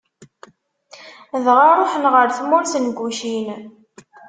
dɣa ṛuḥen ɣer tmurt n Gucin.